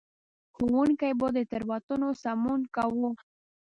ښوونکي به د تېروتنو سمون کاوه.